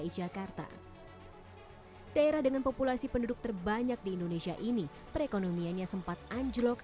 dki jakarta daerah dengan populasi penduduk terbanyak di indonesia ini perekonomiannya sempat anjlok